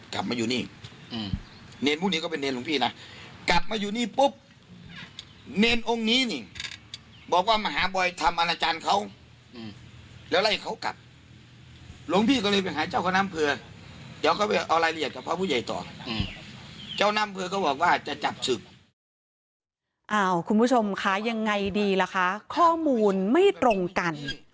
คุณผู้ชมคะยังไงดีล่ะคะข้อมูลไม่ตรงกัน